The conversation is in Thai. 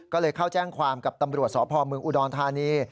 ก็เลยเข้าแจ้งความกับตำรวจสพเมืองอุดรธานี